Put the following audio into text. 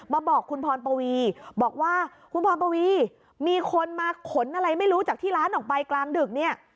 บอกคุณพรปวีบอกว่าคุณพรปวีมีคนมาขนอะไรไม่รู้จากที่ร้านออกไปกลางดึกเนี่ย